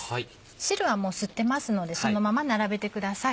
汁は吸ってますのでそのまま並べてください。